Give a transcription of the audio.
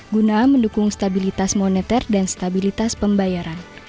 guna mendukung stabilitas moneter dan stabilitas pembayaran